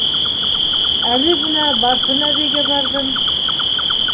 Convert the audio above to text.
Әле бына Барсын әбейгә барҙым.